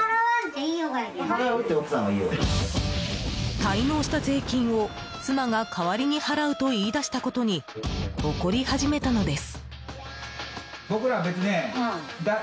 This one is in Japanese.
滞納した税金を、妻が代わりに払うと言い出したことに怒り始めたのです。